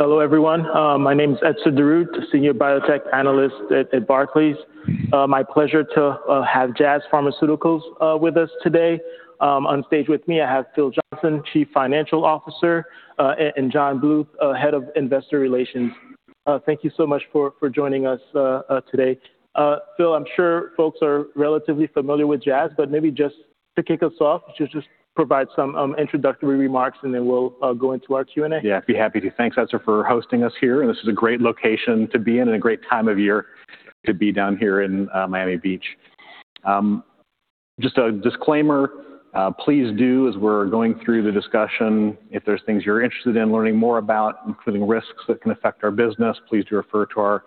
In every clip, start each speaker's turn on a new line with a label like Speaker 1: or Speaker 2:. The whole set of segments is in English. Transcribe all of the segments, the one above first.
Speaker 1: Hello, everyone. My name is Etzer Darout, Senior Biotech Analyst at Barclays. My pleasure to have Jazz Pharmaceuticals with us today. On stage with me, I have Phil Johnson, Chief Financial Officer, and John Bluth, Head of Investor Relations. Thank you so much for joining us today. Phil, I'm sure folks are relatively familiar with Jazz, but maybe just to kick us off, just provide some introductory remarks, and then we'll go into our Q&A.
Speaker 2: Yeah, I'd be happy to. Thanks, Etzer, for hosting us here, and this is a great location to be in and a great time of year to be down here in Miami Beach. Just a disclaimer, please do, as we're going through the discussion, if there's things you're interested in learning more about, including risks that can affect our business, please do refer to our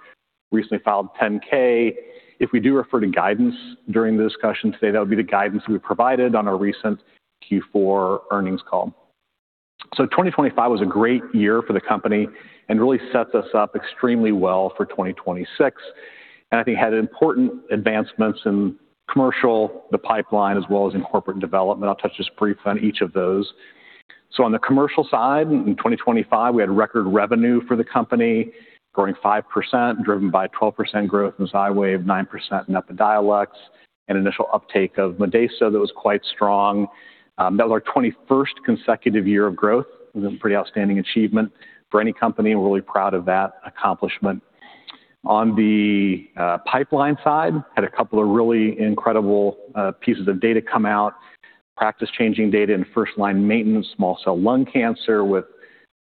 Speaker 2: recently filed Form 10-K. If we do refer to guidance during the discussion today, that would be the guidance we provided on our recent Q4 earnings call. 2025 was a great year for the company and really sets us up extremely well for 2026. I think had important advancements in commercial, the pipeline, as well as in corporate development. I'll touch just briefly on each of those. On the commercial side, in 2025, we had record revenue for the company growing 5%, driven by 12% growth in Xywav, 9% in Epidiolex, and initial uptake of Modeyso that was quite strong. That was our 21st consecutive year of growth. It was a pretty outstanding achievement for any company. We're really proud of that accomplishment. On the pipeline side, had a couple of really incredible pieces of data come out, practice-changing data in first-line maintenance small cell lung cancer with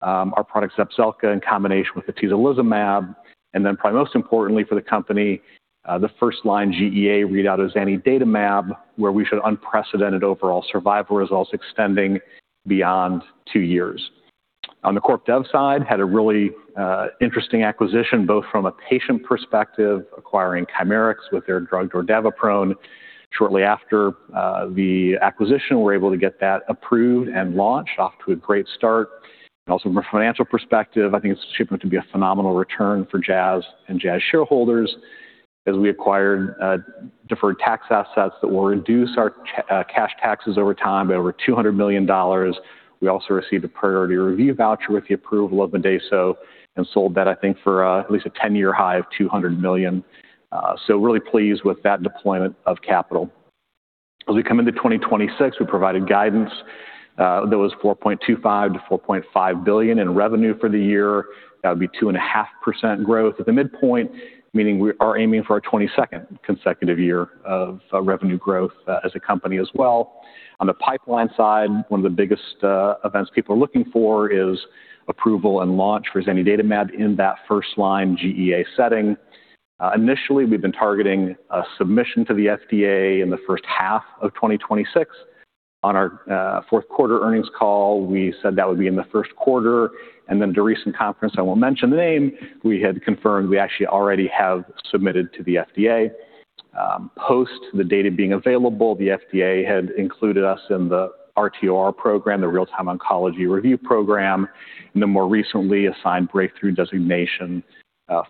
Speaker 2: our product Zepzelca in combination with atezolizumab. Probably most importantly for the company, the first-line GEA readout of zanidatamab, where we showed unprecedented overall survival results extending beyond two years. On the corp dev side, had a really interesting acquisition, both from a patient perspective, acquiring Chimerix with their drug, dordaviprone. Shortly after the acquisition, we're able to get that approved and launched off to a great start. Also from a financial perspective, I think it's shaping up to be a phenomenal return for Jazz and Jazz shareholders as we acquired deferred tax assets that will reduce our cash taxes over time by over $200 million. We also received a priority review voucher with the approval of Modeyso and sold that, I think, for at least a 10-year high of $200 million. Really pleased with that deployment of capital. As we come into 2026, we provided guidance that was $4.25 billion-$4.5 billion in revenue for the year. That would be 2.5% growth at the midpoint, meaning we are aiming for our 22nd consecutive year of revenue growth as a company as well. On the pipeline side, one of the biggest events people are looking for is approval and launch for zanidatamab in that first-line GEA setting. Initially, we've been targeting a submission to the FDA in the first half of 2026. On our fourth quarter earnings call, we said that would be in the first quarter. Then at a recent conference, I won't mention the name, we had confirmed we actually already have submitted to the FDA. Post the data being available, the FDA had included us in the RTOR program, the Real-Time Oncology Review program, and then more recently assigned Breakthrough Therapy designation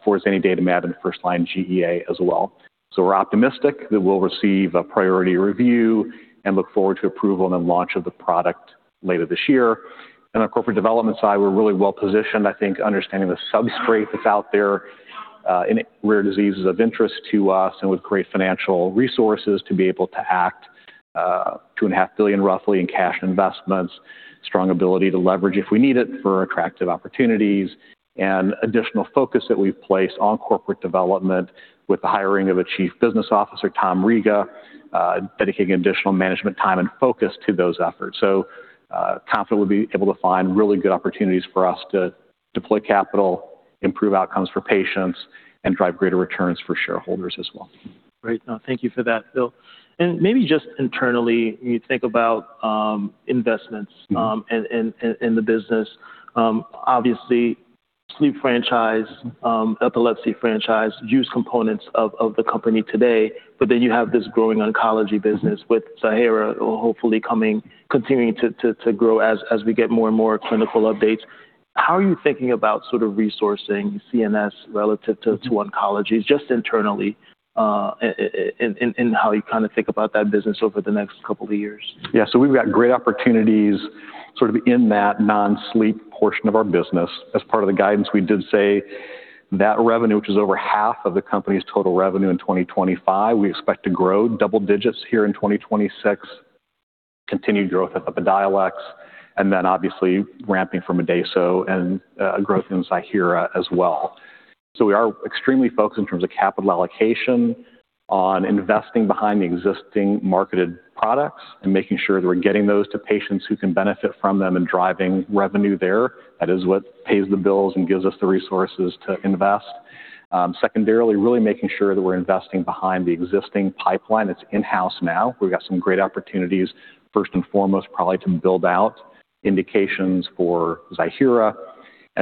Speaker 2: for zanidatamab in first-line GEA as well. We're optimistic that we'll receive a priority review and look forward to approval and then launch of the product later this year. On corporate development side, we're really well-positioned, I think, understanding the substrate that's out there in rare diseases of interest to us and with great financial resources to be able to act $2.5 billion roughly in cash and investments, strong ability to leverage if we need it for attractive opportunities and additional focus that we've placed on corporate development with the hiring of a Chief Business Officer, Tom Riga, dedicating additional management time and focus to those efforts. Confident we'll be able to find really good opportunities for us to deploy capital, improve outcomes for patients, and drive greater returns for shareholders as well.
Speaker 1: Great. Thank you for that, Phil. Maybe just internally, when you think about investments. In the business, obviously, sleep franchise, epilepsy franchise, huge components of the company today. You have this growing oncology business with Ziihera hopefully continuing to grow as we get more and more clinical updates. How are you thinking about sort of resourcing CNS relative to oncology just internally in how you kind of think about that business over the next couple of years?
Speaker 2: Yeah. We've got great opportunities sort of in that non-sleep portion of our business. As part of the guidance, we did say that revenue, which is over half of the company's total revenue in 2025, we expect to grow double digits here in 2026, continued growth of Epidiolex, and then obviously ramping for Modeyso and growth in Ziihera as well. We are extremely focused in terms of capital allocation on investing behind the existing marketed products and making sure that we're getting those to patients who can benefit from them and driving revenue there. That is what pays the bills and gives us the resources to invest. Secondarily, really making sure that we're investing behind the existing pipeline that's in-house now. We've got some great opportunities, first and foremost, probably to build out indications for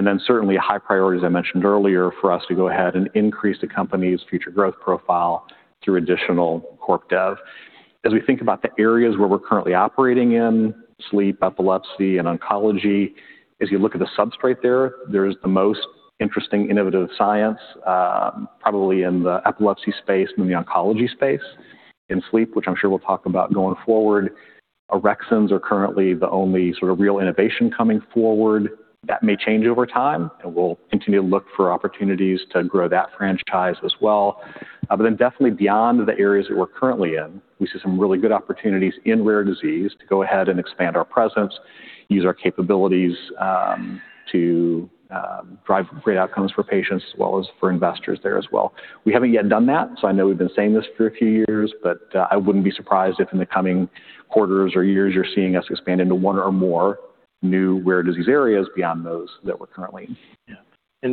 Speaker 2: Ziihera. Certainly a high priority, as I mentioned earlier, for us to go ahead and increase the company's future growth profile through additional corp dev. As we think about the areas where we're currently operating in, sleep, epilepsy, and oncology, as you look at the substrate there is the most interesting innovative science, probably in the epilepsy space and in the oncology space. In sleep, which I'm sure we'll talk about going forward. Orexins are currently the only sort of real innovation coming forward. That may change over time, and we'll continue to look for opportunities to grow that franchise as well. Definitely beyond the areas that we're currently in, we see some really good opportunities in rare disease to go ahead and expand our presence, use our capabilities, to drive great outcomes for patients as well as for investors there as well. We haven't yet done that, so I know we've been saying this for a few years, but I wouldn't be surprised if in the coming quarters or years you're seeing us expand into one or more new rare disease areas beyond those that we're currently in.
Speaker 1: Yeah.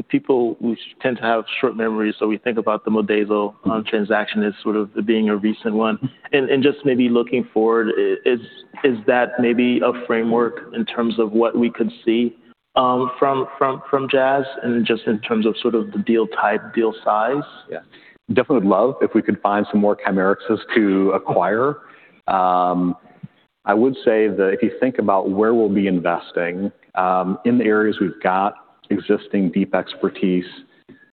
Speaker 1: People, we tend to have short memories, so we think about the Modeyso transaction as sort of being a recent one. Just maybe looking forward, is that maybe a framework in terms of what we could see from Jazz and just in terms of sort of the deal type, deal size?
Speaker 2: Yeah. Definitely would love if we could find some more Chimerix's to acquire. I would say that if you think about where we'll be investing, in the areas we've got existing deep expertise,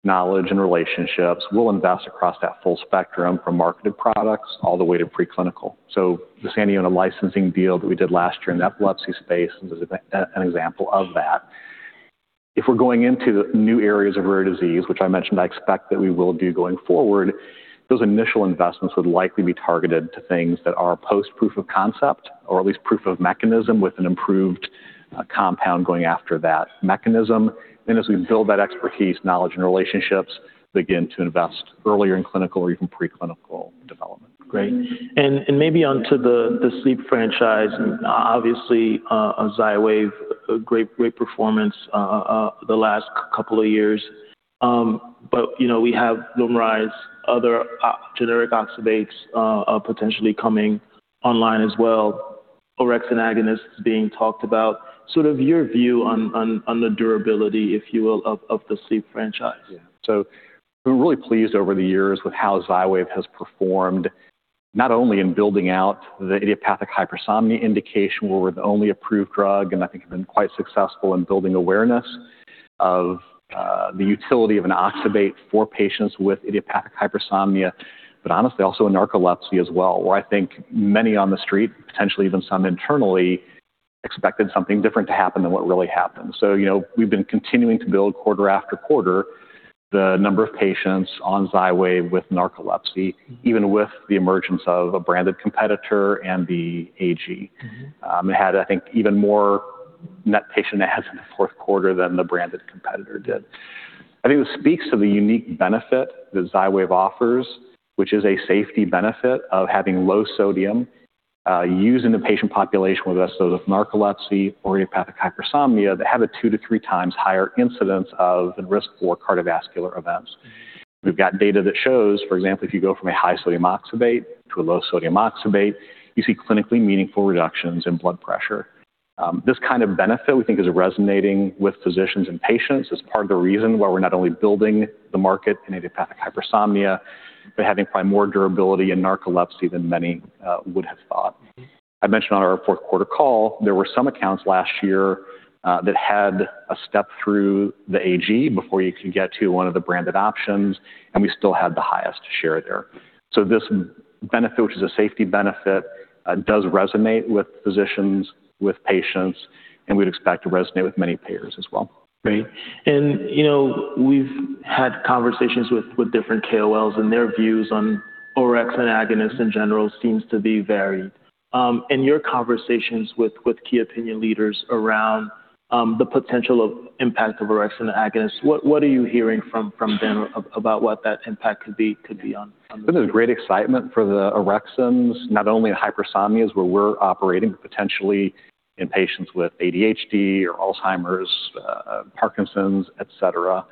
Speaker 2: knowledge, and relationships, we'll invest across that full spectrum from marketed products all the way to preclinical. The Saniona licensing deal that we did last year in the epilepsy space is an example of that. If we're going into new areas of rare disease, which I mentioned I expect that we will do going forward, those initial investments would likely be targeted to things that are post proof of concept or at least proof of mechanism with an improved compound going after that mechanism. As we build that expertise, knowledge, and relationships, begin to invest earlier in clinical or even preclinical development.
Speaker 1: Great. Maybe onto the sleep franchise and obviously Xywav, a great performance the last couple of years. You know, we have Lumryz, other generic oxybates potentially coming online as well, orexin agonists being talked about. Sort of your view on the durability, if you will, of the sleep franchise.
Speaker 2: Yeah. We're really pleased over the years with how Xywav has performed, not only in building out the idiopathic hypersomnia indication, where we're the only approved drug, and I think have been quite successful in building awareness of the utility of an oxybate for patients with idiopathic hypersomnia, but honestly also in narcolepsy as well, where I think many on the street, potentially even some internally, expected something different to happen than what really happened. You know, we've been continuing to build quarter after quarter the number of patients on Xywav with narcolepsy, even with the emergence of a branded competitor and the AG. It had, I think, even more net patient adds in the fourth quarter than the branded competitor did. I think it speaks to the unique benefit that Xywav offers, which is a safety benefit of having low sodium used in the patient population, whether that's those with narcolepsy or idiopathic hypersomnia, that have a two to three times higher incidence of and risk for cardiovascular events. We've got data that shows, for example, if you go from a high sodium oxybate to a low sodium oxybate, you see clinically meaningful reductions in blood pressure. This kind of benefit we think is resonating with physicians and patients. It's part of the reason why we're not only building the market in idiopathic hypersomnia, but having probably more durability in narcolepsy than many would have thought. I mentioned on our fourth quarter call, there were some accounts last year that had a step through the AG before you could get to one of the branded options, and we still had the highest share there. This benefit, which is a safety benefit, does resonate with physicians, with patients, and we'd expect to resonate with many payers as well.
Speaker 1: Great. You know, we've had conversations with different KOLs, and their views on orexin agonists in general seems to be varied. In your conversations with key opinion leaders around the potential impact of orexin agonists, what are you hearing from them about what that impact could be on the
Speaker 2: There's a great excitement for the orexins, not only in hypersomnias where we're operating, but potentially in patients with ADHD or Alzheimer's, Parkinson's, et cetera.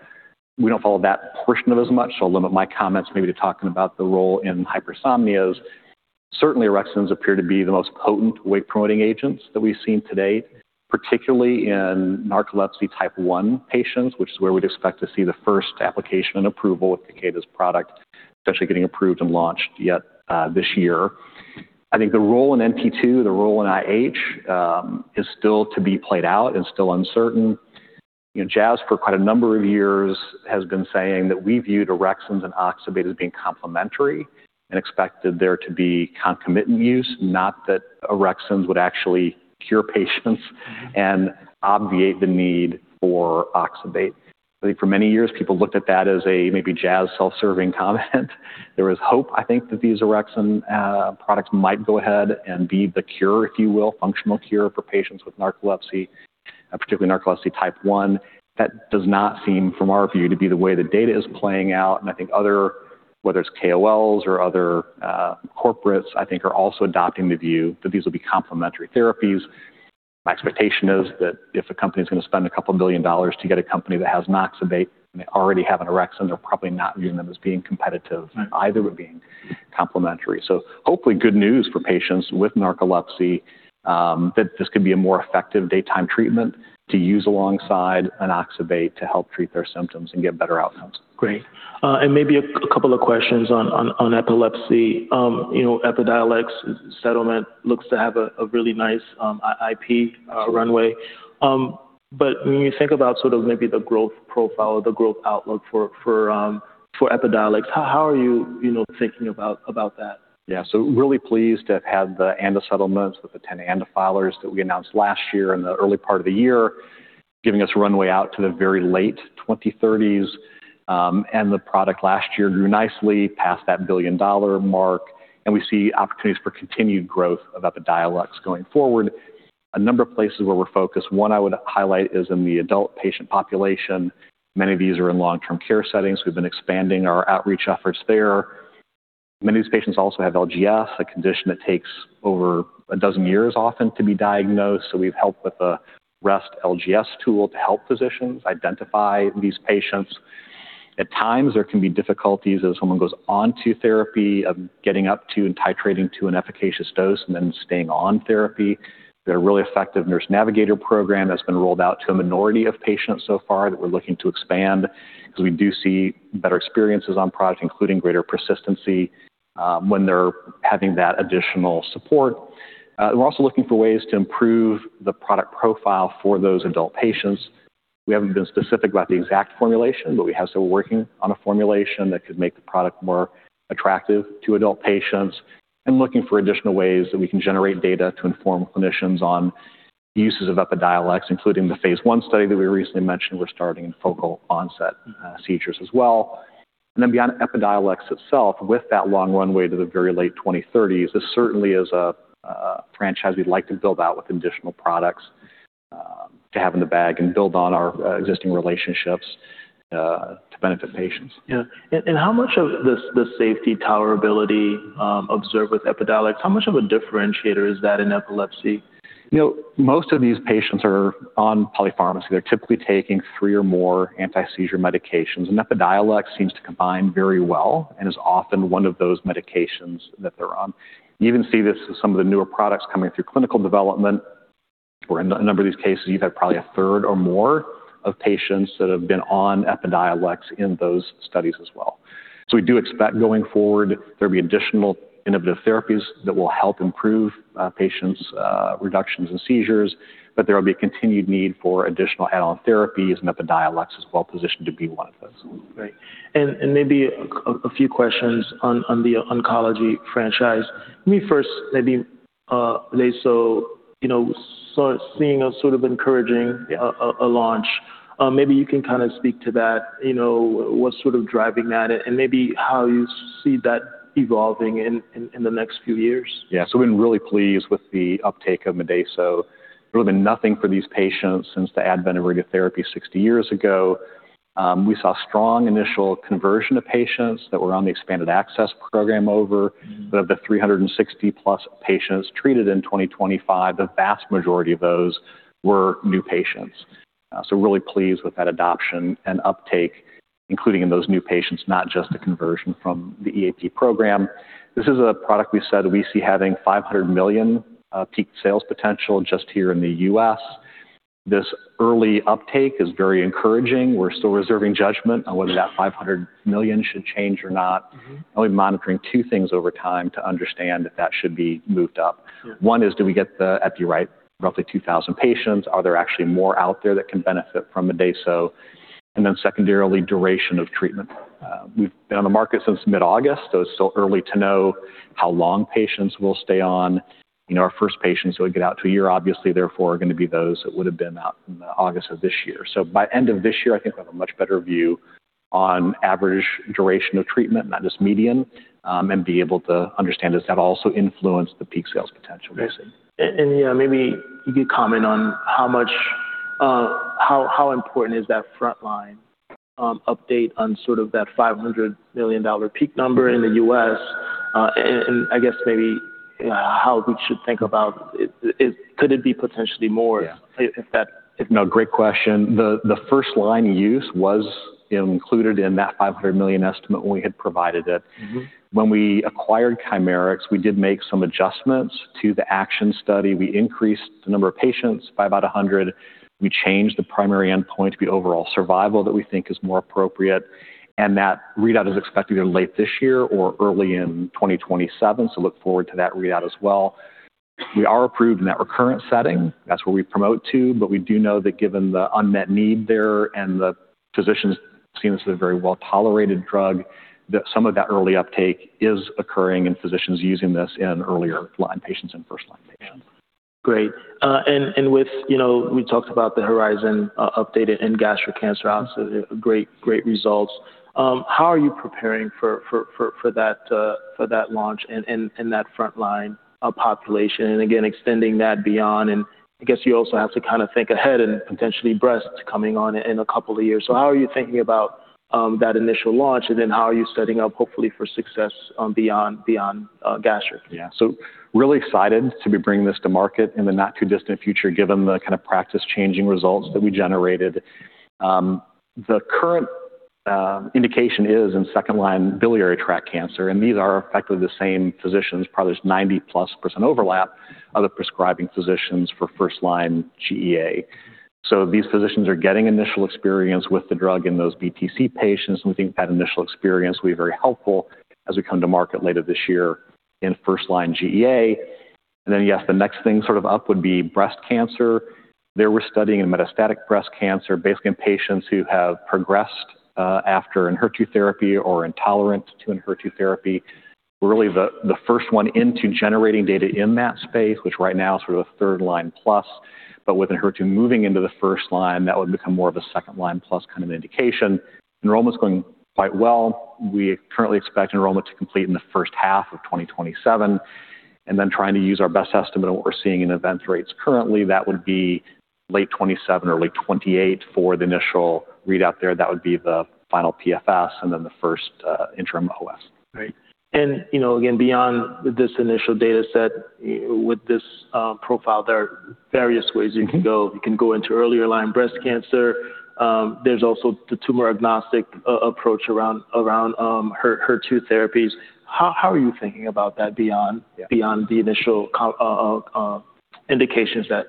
Speaker 2: We don't follow that portion of it as much, so I'll limit my comments maybe to talking about the role in hypersomnias. Certainly, orexins appear to be the most potent wake-promoting agents that we've seen to date, particularly in narcolepsy type 1 patients, which is where we'd expect to see the first application and approval of Takeda's product, potentially getting approved and launched yet this year. I think the role in NT2, the role in IH, is still to be played out and still uncertain. You know, Jazz for quite a number of years has been saying that we viewed orexins and oxybate as being complementary and expected there to be concomitant use, not that orexins would actually cure patients and obviate the need for oxybate. I think for many years, people looked at that as a maybe Jazz self-serving comment. There was hope, I think, that these orexin products might go ahead and be the cure, if you will, functional cure for patients with narcolepsy, particularly narcolepsy type 1. That does not seem, from our view, to be the way the data is playing out, and I think other, whether it's KOLs or other corporates, I think are also adopting the view that these will be complementary therapies. My expectation is that if a company's gonna spend $2 billion to get a company that has an oxybate and they already have an orexin, they're probably not viewing them as being competitive. Either would being complementary. Hopefully good news for patients with narcolepsy that this could be a more effective daytime treatment to use alongside an oxybate to help treat their symptoms and get better outcomes.
Speaker 1: Great. Maybe a couple of questions on epilepsy. You know, Epidiolex settlement looks to have a really nice IP runway. When you think about sort of maybe the growth profile or the growth outlook for Epidiolex, how are you thinking about that?
Speaker 2: Yeah. Really pleased to have had the ANDA settlements with the 10 ANDA filers that we announced last year in the early part of the year, giving us runway out to the very late 2030s. And the product last year grew nicely past that billion-dollar mark, and we see opportunities for continued growth of Epidiolex going forward. A number of places where we're focused, one I would highlight is in the adult patient population. Many of these are in long-term care settings. We've been expanding our outreach efforts there. Many of these patients also have LGS, a condition that takes over a dozen years often to be diagnosed, so we've helped with the REST-LGS tool to help physicians identify these patients. At times, there can be difficulties as someone goes onto therapy of getting up to and titrating to an efficacious dose and then staying on therapy. They're really effective Nurse Navigator program that's been rolled out to a minority of patients so far that we're looking to expand because we do see better experiences on product, including greater persistency, when they're having that additional support. We're also looking for ways to improve the product profile for those adult patients. We're working on a formulation that could make the product more attractive to adult patients and looking for additional ways that we can generate data to inform clinicians on uses of Epidiolex, including the phase one study that we recently mentioned. We're starting focal onset seizures as well. Beyond Epidiolex itself, with that long runway to the very late 2030s, this certainly is a franchise we'd like to build out with additional products, to have in the bag and build on our existing relationships, to benefit patients.
Speaker 1: How much of the safety tolerability observed with Epidiolex, how much of a differentiator is that in epilepsy?
Speaker 2: You know, most of these patients are on polypharmacy. They're typically taking three or more anti-seizure medications, and Epidiolex seems to combine very well and is often one of those medications that they're on. You even see this in some of the newer products coming through clinical development, where in a number of these cases you've had probably a third or more of patients that have been on Epidiolex in those studies as well. We do expect going forward there'll be additional innovative therapies that will help improve patients' reductions in seizures, but there will be a continued need for additional add-on therapies, and Epidiolex is well-positioned to be one of those.
Speaker 1: Right. Maybe a few questions on the oncology franchise. Let me first maybe lay out so you know, so seeing a sort of encouraging launch, maybe you can kind of speak to that, you know, what's sort of driving that and maybe how you see that evolving in the next few years.
Speaker 2: Yeah. We've been really pleased with the uptake of Modeyso. There's really been nothing for these patients since the advent of radiotherapy 60 years ago. We saw strong initial conversion of patients that were on the expanded access program. Of the 360+ patients treated in 2025, the vast majority of those were new patients. Really pleased with that adoption and uptake, including in those new patients, not just the conversion from the EAP program. This is a product we said we see having $500 million peak sales potential just here in the U.S. This early uptake is very encouraging. We're still reserving judgment on whether that $500 million should change or not.. I'll be monitoring two things over time to understand if that should be moved up. One is, do we get the epi right? Roughly 2,000 patients. Are there actually more out there that can benefit from Modeyso? And then secondarily, duration of treatment. We've been on the market since mid-August, so it's still early to know how long patients will stay on. You know, our first patients will get out to a year, obviously, therefore are going to be those that would have been out in August of this year. So by end of this year, I think we'll have a much better view on average duration of treatment, not just median, and be able to understand does that also influence the peak sales potential.
Speaker 1: Yeah, maybe you could comment on how much, how important is that frontline update on sort of that $500 million peak number in the U.S. I guess maybe how we should think about it. Could it be potentially more?
Speaker 2: Yeah. No, great question. The first-line use was included in that $500 million estimate when we had provided it. When we acquired Chimerix, we did make some adjustments to the ACTION study. We increased the number of patients by about 100. We changed the primary endpoint to be overall survival that we think is more appropriate, and that readout is expected in late this year or early in 2027, so look forward to that readout as well. We are approved in that recurrent setting. That's where we promote to, but we do know that given the unmet need there and the physicians see this as a very well-tolerated drug, that some of that early uptake is occurring in physicians using this in earlier line patients and first-line patients.
Speaker 1: Great. With, you know, we talked about the HERIZON update in gastric cancer readout, so great results. How are you preparing for that launch and that front line population? Again, extending that beyond, I guess you also have to kind of think ahead and potentially breast coming on in a couple of years. How are you thinking about that initial launch? Then how are you setting up hopefully for success beyond gastric?
Speaker 2: Yeah. Really excited to be bringing this to market in the not-too-distant future, given the kind of practice-changing results that we generated. The current indication is in second-line biliary tract cancer, and these are effectively the same physicians. Probably there's 90%+ overlap of the prescribing physicians for first-line GEA. These physicians are getting initial experience with the drug in those BTC patients. We think that initial experience will be very helpful as we come to market later this year. In first line GEA, then yes, the thing sort of up would be breast cancer. There we're studying metastatic breast cancer, basically in patients who have progressed after an HER2 therapy or intolerance to an HER2 therapy. Really the first one into generating data in that space, which right now is sort of a third line plus. With an HER2 moving into the first line, that would become more of a second line plus kind of indication. Enrollment's going quite well. We currently expect enrollment to complete in the first half of 2027, and then trying to use our best estimate on what we're seeing in events rates currently, that would be late 2027 or late 2028 for the initial readout there. That would be the final PFS and then the first interim OS.
Speaker 1: Right. You know, again, beyond this initial data set with this profile, there are various ways you can go. You can go into earlier-line breast cancer. There's also the tumor-agnostic approach around HER2 therapies. How are you thinking about that beyond the initial indications that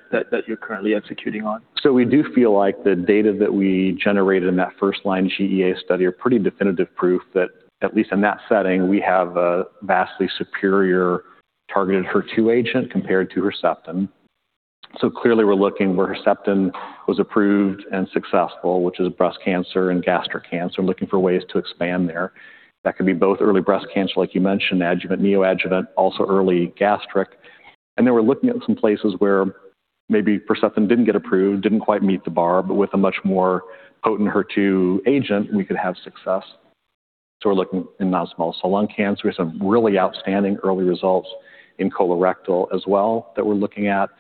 Speaker 1: you're currently executing on?
Speaker 2: We do feel like the data that we generated in that first line GEA study are pretty definitive proof that at least in that setting, we have a vastly superior targeted HER2 agent compared to Herceptin. Clearly we're looking where Herceptin was approved and successful, which is breast cancer and gastric cancer, looking for ways to expand there. That could be both early breast cancer, like you mentioned, adjuvant, neoadjuvant, also early gastric. Then we're looking at some places where maybe Herceptin didn't get approved, didn't quite meet the bar, but with a much more potent HER2 agent, we could have success. We're looking in non-small cell lung cancer. We have some really outstanding early results in colorectal as well that we're looking at.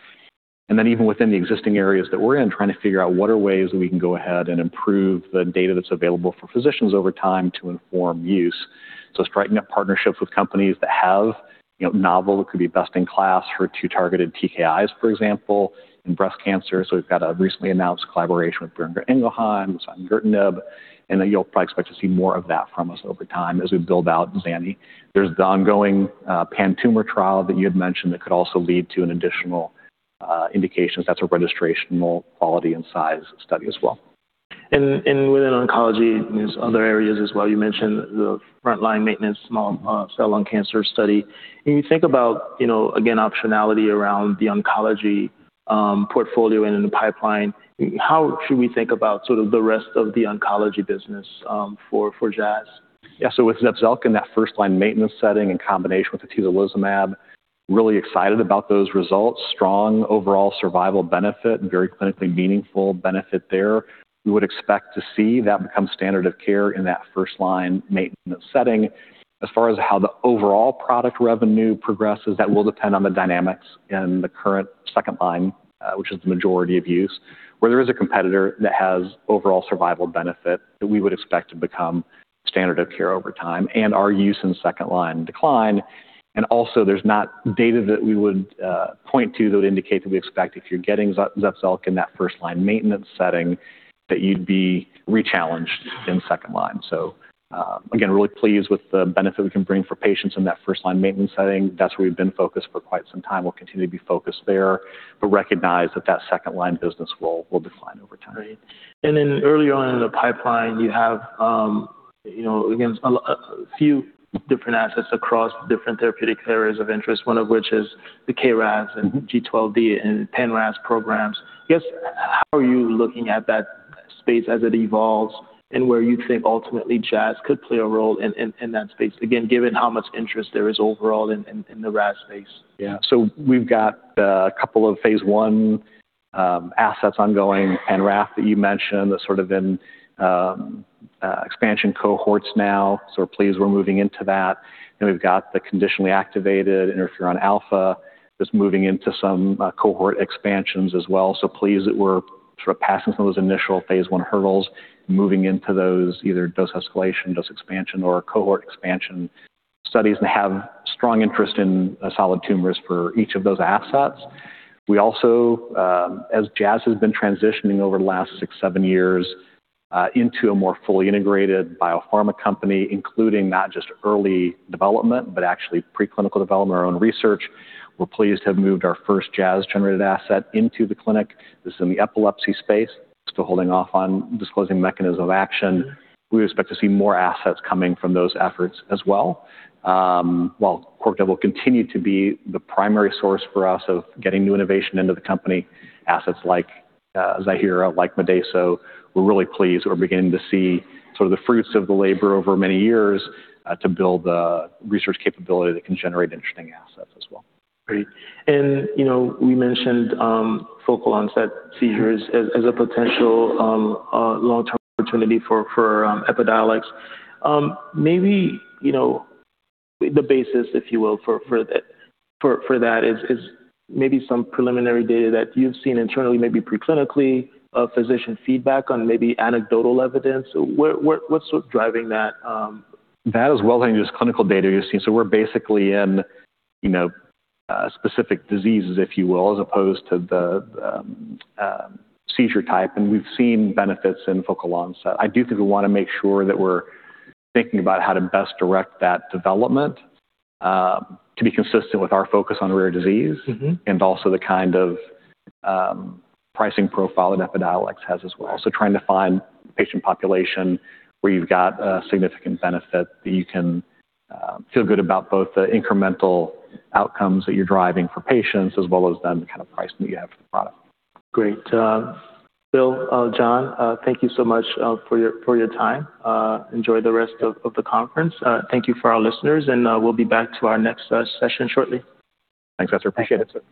Speaker 2: Even within the existing areas that we're in, trying to figure out what are ways that we can go ahead and improve the data that's available for physicians over time to inform use. Striking up partnerships with companies that have, you know, novel, could be best in class, HER2-targeted TKIs, for example, in breast cancer. We've got a recently announced collaboration with Boehringer Ingelheim, zongertinib, and then you'll probably expect to see more of that from us over time as we build out zani. There's the ongoing pan-tumor trial that you had mentioned that could also lead to an additional indications. That's a registrational quality and size study as well.
Speaker 1: Within oncology, there's other areas as well. You mentioned the frontline maintenance small cell lung cancer study. When you think about again, optionality around the oncology portfolio and in the pipeline, how should we think about sort of the rest of the oncology business for Jazz?
Speaker 2: Yeah. With Zepzelca, that first-line maintenance setting in combination with atezolizumab, really excited about those results. Strong overall survival benefit and very clinically meaningful benefit there. We would expect to see that become standard of care in that first-line maintenance setting. As far as how the overall product revenue progresses, that will depend on the dynamics in the current second line, which is the majority of use, where there is a competitor that has overall survival benefit that we would expect to become standard of care over time and our use in second line decline. And also, there's not data that we would point to that would indicate that we expect if you're getting Zepzelca in that first line maintenance setting, that you'd be rechallenged in second line. Again, really pleased with the benefit we can bring for patients in that first line maintenance setting. That's where we've been focused for quite some time. We'll continue to be focused there, but recognize that that second line business will decline over time.
Speaker 1: Then earlier on in the pipeline, you have, you know, again, a few different assets across different therapeutic areas of interest, one of which is the KRAS and G12D and NRAS programs. I guess, how are you looking at that space as it evolves and where you think ultimately Jazz could play a role in that space, again, given how much interest there is overall in the RAS space?
Speaker 2: Yeah. We've got a couple of phase I assets ongoing, NRAS that you mentioned, that's sort of in expansion cohorts now. We're pleased we're moving into that. We've got the conditionally activated interferon alpha that's moving into some cohort expansions as well. Pleased that we're sort of passing some of those initial phase I hurdles, moving into those either dose escalation, dose expansion, or cohort expansion studies, and have strong interest in solid tumors for each of those assets. We also, as Jazz has been transitioning over the last six, seven years, into a more fully integrated biopharma company, including not just early development, but actually preclinical development, our own research, we're pleased to have moved our first Jazz-generated asset into the clinic. This is in the epilepsy space. Still holding off on disclosing mechanism of action. We expect to see more assets coming from those efforts as well. While corporate development continued to be the primary source for us of getting new innovation into the company, assets like Ziihera, like Modeyso, we're really pleased. We're beginning to see sort of the fruits of the labor over many years to build the research capability that can generate interesting assets as well.
Speaker 1: Great. You know, we mentioned focal onset seizures as a potential long-term opportunity for Epidiolex. Maybe you know, the basis, if you will, for that is maybe some preliminary data that you've seen internally, maybe pre-clinically, physician feedback on maybe anecdotal evidence. Where what's sort of driving that?
Speaker 2: That as well as just clinical data you've seen. We're basically in, you know, specific diseases, if you will, as opposed to the seizure type, and we've seen benefits in focal onset. I do think we wanna make sure that we're thinking about how to best direct that development, to be consistent with our focus on rare disease and also the kind of pricing profile that Epidiolex has as well. Trying to find patient population where you've got a significant benefit that you can feel good about both the incremental outcomes that you're driving for patients as well as then the kind of pricing that you have for the product.
Speaker 1: Great. Bill, John, thank you so much for your time. Enjoy the rest of the conference. Thank you for our listeners, and we'll be back to our next session shortly.
Speaker 2: Thanks, Etzer. Appreciate it.